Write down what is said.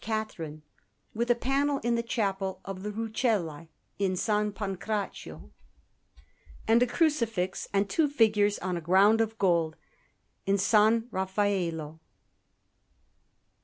Catherine; with a panel in the Chapel of the Rucellai in S. Pancrazio, and a Crucifix and two figures on a ground of gold in S. Raffaello.